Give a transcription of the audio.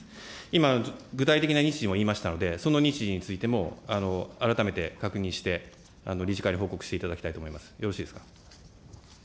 今、具体的な日時も言いましたんで、その日時についても、改めて確認して、理事会に報告していただきたいと思います。